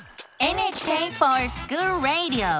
「ＮＨＫｆｏｒＳｃｈｏｏｌＲａｄｉｏ」！